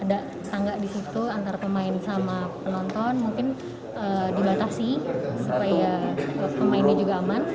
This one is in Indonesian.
ada tangga di situ antara pemain sama penonton mungkin dibatasi supaya pemainnya juga aman